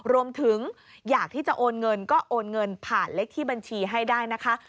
รวมถึงอยากที่จะโอนเงินก็โอนเงินผ่านเลขที่บัญชีให้ได้นะคะ